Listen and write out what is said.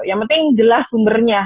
yang penting jelas sumbernya